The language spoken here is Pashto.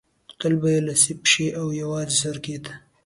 تل به لڅې پښې او یوازې ګرځېد.